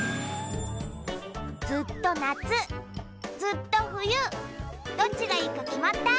ずっとなつずっとふゆどっちがいいかきまった？